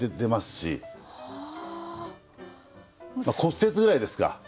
まあ骨折ぐらいですか。